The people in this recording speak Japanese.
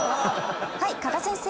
はい加賀先生。